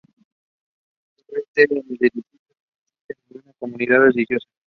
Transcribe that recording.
Actualmente, en el edificio no reside ninguna comunidad religiosa.